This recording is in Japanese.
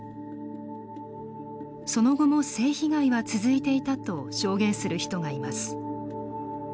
その後も性被害は続いていたと証言する人がいます。